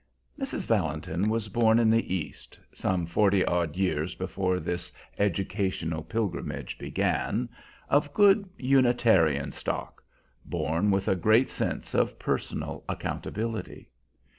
Mrs. Valentin was born in the East, some forty odd years before this educational pilgrimage began, of good Unitarian stock, born with a great sense of personal accountability.